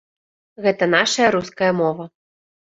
Гэта нашая руская мова.